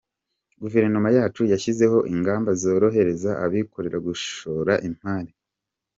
Guverinoma yacu yashyizeho ingamba zorohereza abikorera gushora imari.